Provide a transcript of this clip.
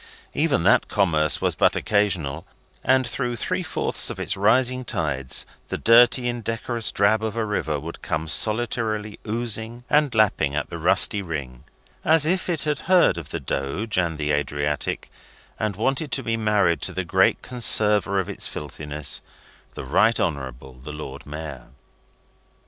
Even that commerce was but occasional, and through three fourths of its rising tides the dirty indecorous drab of a river would come solitarily oozing and lapping at the rusty ring, as if it had heard of the Doge and the Adriatic, and wanted to be married to the great conserver of its filthiness, the Right Honourable the Lord Mayor.